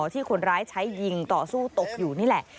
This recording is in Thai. ที่คนร้ายใช้ยิงต่อสู้ตกอยู่นี่แหละ